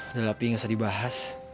udah lah opi gak usah dibahas